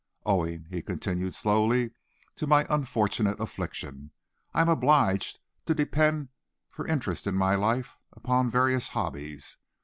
Owing," he continued slowly, "to my unfortunate affliction, I am obliged to depend for interest in my life upon various hobbies.